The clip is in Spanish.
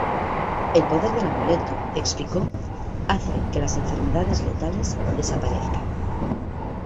El poder del amuleto, explicó, hace que las enfermedades letales desaparezcan.